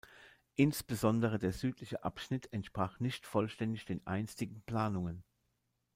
Insbesondere der südliche Abschnitt entsprach nicht vollständig den einstigen Planungen.